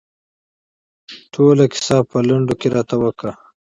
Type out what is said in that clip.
ټوله کیسه په لنډو کې راته وکړه.